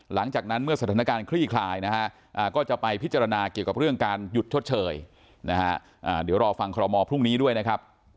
หลังจากนั้นเมื่อสถานการณ์คลี่คลายนะฮะก็จะไปพิจารณาเกี่ยวกับเรื่องการหยุดชดเชยนะฮะเดี๋ยวรอฟังคอรมอลพรุ่งนี้ด้วยนะครับ